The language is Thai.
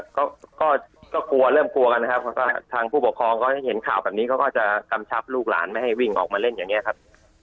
ก็ก็กลัวเริ่มกลัวกันนะครับทางผู้ปกครองเขาเห็นข่าวแบบนี้เขาก็จะกำชับลูกหลานไม่ให้วิ่งออกมาเล่นอย่างนี้ครับ